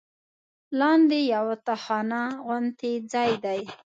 لاندې یوه تاخانه غوندې ځای دی.